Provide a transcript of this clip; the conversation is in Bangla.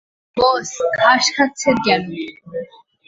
বস, ঘাস খাচ্ছেন কেন?